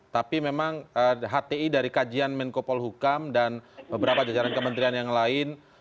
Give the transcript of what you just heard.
tapi memang hti dari kajian menko polhukam dan beberapa jajaran kementerian yang lain